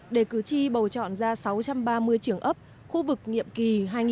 để cử tri bầu chọn ra sáu trăm ba mươi trưởng ấp khu vực nhiệm kỳ hai nghìn một mươi sáu hai nghìn một mươi chín